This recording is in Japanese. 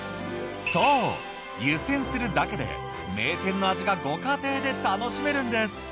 そう湯せんするだけで名店の味がご家庭で楽しめるんです。